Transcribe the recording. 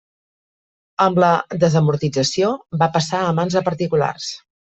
Amb la desamortització va passar a mans de particulars.